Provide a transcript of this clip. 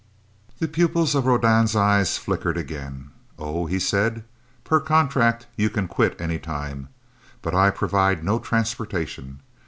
The pupils of Rodan's eyes flickered again. "Oh?" he said. "Per contract, you can quit anytime. But I provide no transportation.